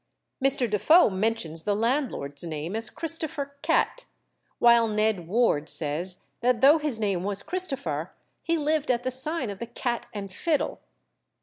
Mr. Defoe mentions the landlord's name as Christopher Catt, while Ned Ward says that though his name was Christopher, he lived at the sign of the Cat and Fiddle.